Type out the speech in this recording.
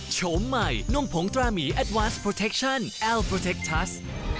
โฉมใหม่นุ่มผงตราหมีแอดวาสโปรเทคชั่นแอลโปรเทคทัส